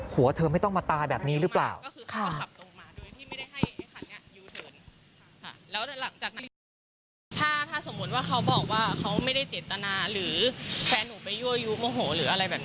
หัวเธอไม่ต้องมาตายแบบนี้หรือเปล่า